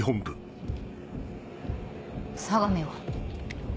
相模は？